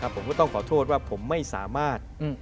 ผมก็ต้องขอโทษว่าผมไม่สามารถ